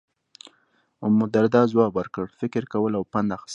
امالدرداء ځواب ورکړ، فکر کول او پند اخیستل.